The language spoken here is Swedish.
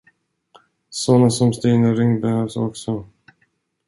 Såna som Stina Ring behövs också.